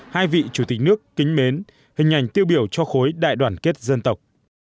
hình ảnh tiêu biểu cho khối đại đoàn kết dân tộc